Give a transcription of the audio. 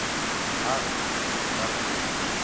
A. Carter.